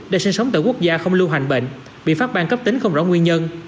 đang sinh sống tại quốc gia không lưu hành bệnh bị phát bang cấp tính không rõ nguyên nhân